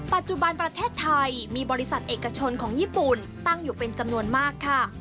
ปัจจุบันประเทศไทยมีบริษัทเอกชนของญี่ปุ่นตั้งอยู่เป็นจำนวนมากค่ะ